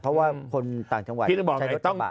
เพราะว่าคนต่างจังหวัดใช้รถกระบะ